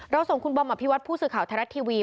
ส่งคุณบอมอภิวัตผู้สื่อข่าวไทยรัฐทีวี